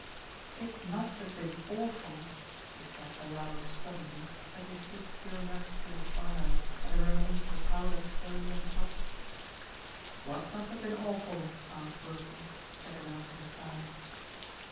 "It must have been awful," he said aloud suddenly, as he stood peering up through the twilight at the remains of the piled up stones at the top. "What must have been awful?" asked Wilton, stepping out to his side.